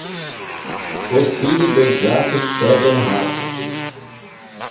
Os filhos dos gatos pegam ratos.